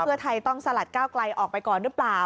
เพื่อไทยต้องสลัดก้าวไกลออกไปก่อนหรือเปล่า